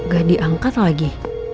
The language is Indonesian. gak diangkat lagi